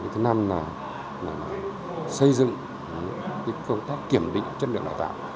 thứ năm là xây dựng công tác kiểm định chất lượng đào tạo